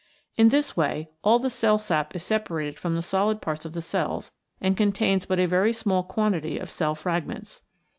In this way all the cell sap is separated from the solid parts of the cells, and contains but a very small quantity of cell frag ments.